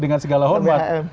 dengan segala hormat